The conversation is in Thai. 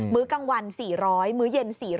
ื้อกลางวัน๔๐๐มื้อเย็น๔๐๐